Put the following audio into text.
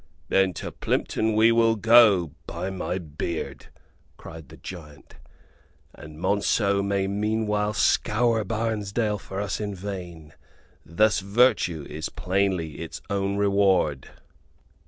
"Then to Plympton we will go, by my beard!" cried the giant, "and Monceux may meanwhile scour Barnesdale for us in vain! Thus virtue is plainly its own reward."